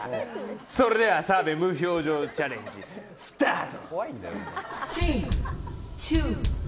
それでは澤部無表情チャレンジスタート！